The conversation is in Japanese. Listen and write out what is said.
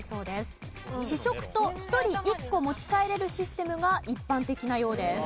試食と１人１個持ち帰れるシステムが一般的なようです。